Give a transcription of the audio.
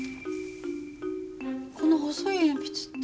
この細い鉛筆って。